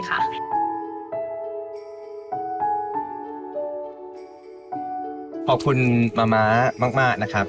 ขอบคุณมะมากนะครับ